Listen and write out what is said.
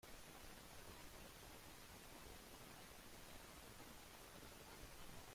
De regreso en España, siguió componiendo música para piano y canciones.